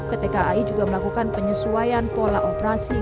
pt kai juga melakukan penyesuaian pola operasi